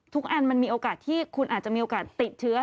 อันมันมีโอกาสที่คุณอาจจะมีโอกาสติดเชื้อ